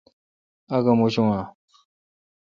آگہ موچونہ؟